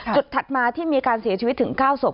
ถัดมาที่มีการเสียชีวิตถึง๙ศพ